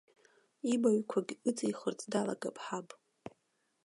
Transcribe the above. Ибаҩқәагь ыҵихырц далагап ҳаб.